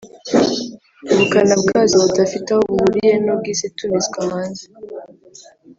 ubukana bwazo budafite aho buhuriye n’ubw’izitumizwa hanze